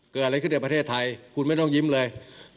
เกิดอะไรขึ้นในประเทศไทยคุณไม่ต้องยิ้มเลย